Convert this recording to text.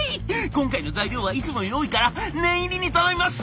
今回の材料はいつもより多いから念入りに頼みます」。